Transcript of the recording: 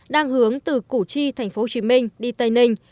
đang hướng từ củ chi tp hcm đi tây ninh